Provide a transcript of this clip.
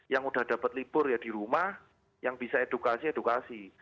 yang udah dapat libur ya di rumah yang bisa edukasi edukasi